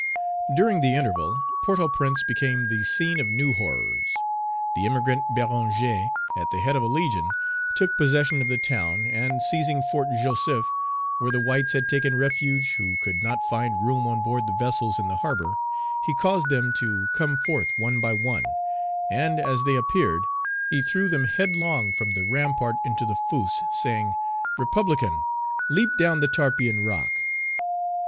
During the interval, Port au Prince became the scene of new horrors. The emigrant Bérenger, at the head of a legion, took possession of the town, and seizing Fort Joseph, where the whites had taken refuge who could not find room on board the vessels in the harbor, he caused them to come forth one by one, and, as they appeared, he threw them headlong from the rampart into the fosse, saying, "Republican, leap down the Tarpeian rock."